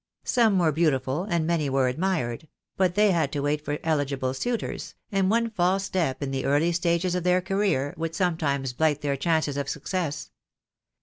Some were beauti ful, and many were admired; but they had to wait for eligible suitors, and one false step in the early stages of their career would sometimes blight their chances of sue 26 THE DAY WILL COME. cess.